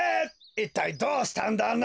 いったいどうしたんだね？